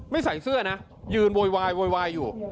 ไม่ใส่เสื้อนะยืนโวยวายอยู่